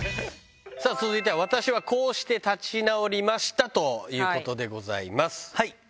さあ続いては、私はこうして立ち直りましたということでございます。